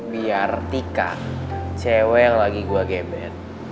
biar tika cewek yang lagi gue gemben